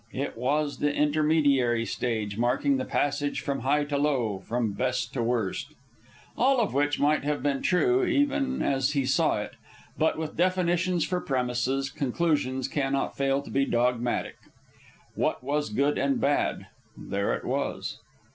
It was the intermediary stage, marking the passage from high to low, from best to worst. All of which might have been true, even as he saw it; but with definitions for premises, conclusions cannot fail to be dogmatic. What was good and bad? There it was.